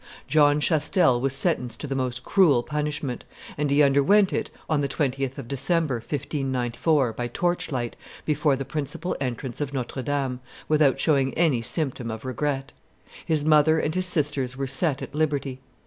John Chastel was sentenced to the most cruel punishment; and he underwent it on the 20th of December, 1594, by torch light, before the principal entrance of Notre Dame, without showing any symptom of regret. His mother and his sisters were set at liberty.